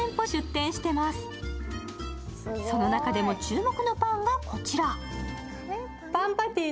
その中でも注目のパンがこちら。